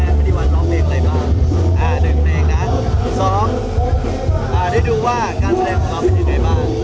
อะไรบ้างอ่าหนึ่งเนกนะสองอ่าได้ดูว่าการแสดงของเราเป็นอย่างไรบ้าง